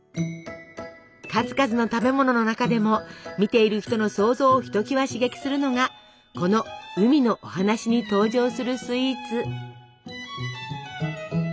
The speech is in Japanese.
数々の食べ物の中でも見ている人の想像をひときわ刺激するのがこの「うみのおはなし」に登場するスイーツ。